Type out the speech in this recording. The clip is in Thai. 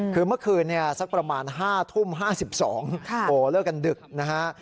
คือเมื่อคืนเนี่ยสักประมาณ๕ทุ่ม๕๒โหเลิกกันดึกนะฮะ